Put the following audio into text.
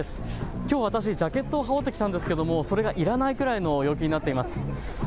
きょう私ジャケットを羽織って来たんですけれどもそれがいらないくらいの陽気になってます。